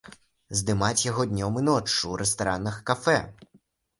Здымаць яго днём і ноччу ў рэстаранах, кафэ?